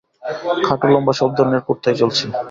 খাটো, লম্বা সব ধরনের কুর্তাই চলছে।